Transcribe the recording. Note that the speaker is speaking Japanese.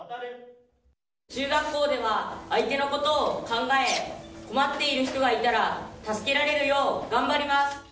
中学校では、相手のことを考え、困っている人がいたら助けられるよう頑張ります。